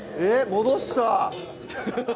戻した！